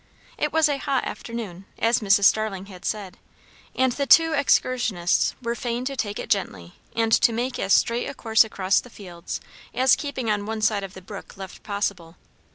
It was a hot afternoon, as Mrs. Starling had said; and the two excursionists were fain to take it gently and to make as straight a course across the fields as keeping on one side of the brook left possible.